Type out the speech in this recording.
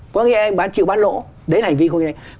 có nghĩa là anh chịu bán lỗ đấy là hành vi không lành mạnh